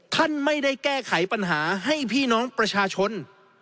ท่านไม่ได้แก้ไขปัญหาให้พี่น้องประชาชน